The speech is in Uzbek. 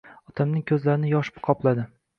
Otamning ko'zlarini yosh qopladi.